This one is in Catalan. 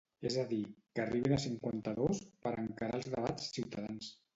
És a dir, que arribin a cinquanta-dos per a encarar els debats ciutadans.